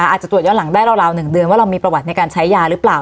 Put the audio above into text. อาจจะตรวจย้อนหลังได้ราว๑เดือนว่าเรามีประวัติในการใช้ยาหรือเปล่า